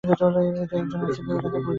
কেউ তো একজন আছে, যে তাকে প্রটেক্ট করছে।